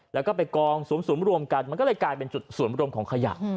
แล้วก็ไปกองสุมรวมกันมันก็เลยกลายเป็นจุดศูนย์รวมของขยะ